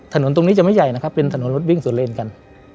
ถนนตรงนี้จะไม่ใหญ่นะครับเป็นถนนรถวิ่งสวนเลนกัน